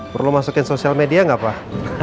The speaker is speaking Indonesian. perlu masukin sosial media nggak pak